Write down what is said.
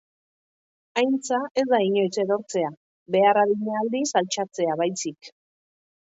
Aintza ez da inoiz erortzea, behar adina aldiz altxatzea baizik.